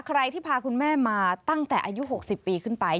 ใครที่พาคุณแม่มาตั้งแต่อายุ๖๐ปีขึ้นไป